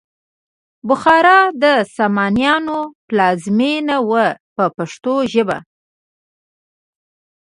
بخارا د سامانیانو پلازمینه وه په پښتو ژبه.